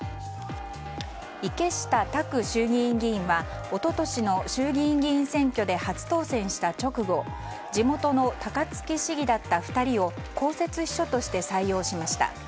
池下卓衆議院議員は一昨年の衆議院議員選挙で初当選した直後地元の高槻市議だった２人を公設秘書として採用しました。